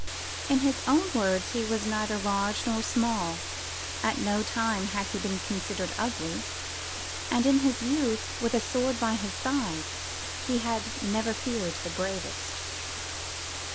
In his own words, he was "neither large nor small: at no time had he been considered ugly; and in youth, with a sword by his side, he had never feared the bravest."